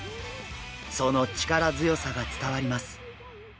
その力強さが伝わります。